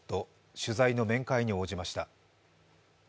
取材の面会に応じました。